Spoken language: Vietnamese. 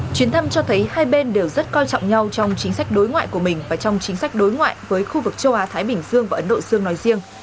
chuyến thăm cho thấy hai bên đều rất coi trọng nhau trong chính sách đối ngoại của mình và trong chính sách đối ngoại với khu vực châu á thái bình dương và ấn độ dương nói riêng